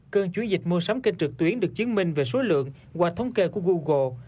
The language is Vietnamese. cơn chuyển dịch mua sắm kênh trực tuyến được chứng minh về số lượng qua thống kê của google